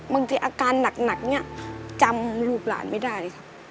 บางทีอาการหนักเนี่ยจำลูกหลานไม่ได้เลยค่ะ